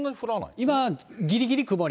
今、ぎりぎり曇り。